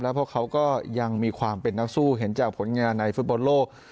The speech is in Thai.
เพราะเขาก็ยังมีความเป็นนักสู้เห็นจากผลงานในฟุตบอลโลก